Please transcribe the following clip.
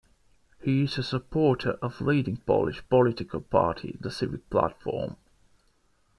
He is a supporter of leading Polish political party, the Civic Platform.